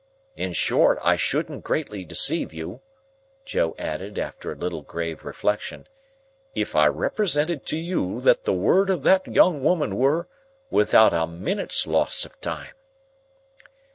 In short, I shouldn't greatly deceive you," Joe added, after a little grave reflection, "if I represented to you that the word of that young woman were, 'without a minute's loss of time.